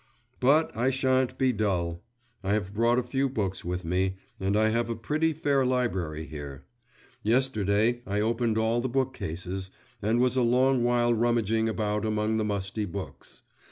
But I shan't be dull. I have brought a few books with me, and I have a pretty fair library here. Yesterday, I opened all the bookcases, and was a long while rummaging about among the musty books.